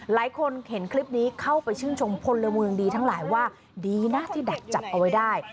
หลายคนเห็นคลิปนี้เข้าไปชื่นชมพลเมืองดีทั้งหลายว่าดีนะที่ดักจับเอาไว้ได้